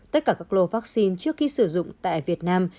tất cả các lô vaccine trước khi sử dụng tại việt nam